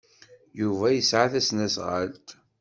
Yuba yesɛa tasnasɣalt?